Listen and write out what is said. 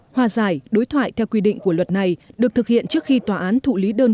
hòa giải đối thoại theo quy định của luật này được thực hiện trước khi tòa án thụ lý đơn